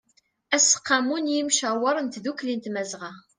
aseqqamu n ymcawer n tdukli n tmazɣa